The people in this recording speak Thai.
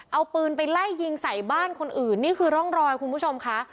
เอาปืนไปไล่ยิงใส่บ้านคนอื่นนี่คือร่องรอยคุณผู้ชมค่ะ